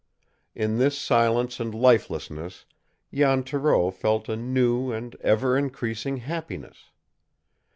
In this silence and lifelessness Jan Thoreau felt a new and ever increasing happiness.